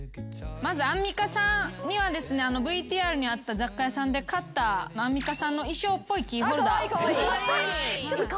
まずアンミカさんにはですねＶＴＲにあった雑貨屋さんで買ったアンミカさんの衣装っぽいキーホルダー。カワイイ。